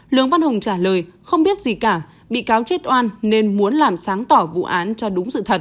lương văn hùng trả lời không biết gì cả bị cáo chết oan nên muốn làm sáng tỏ vụ án cho đúng sự thật